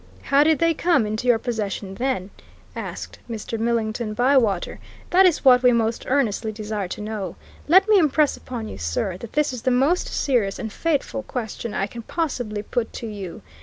"How did they come into your possession, then?" asked Mr. Millington Bywater. "That is what we most earnestly desire to know. Let me impress upon you, sir, that this is the most serious and fateful question I can possibly put to you!